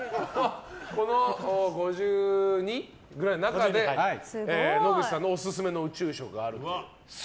この５２くらいの中で野口さんのオススメの宇宙食があると。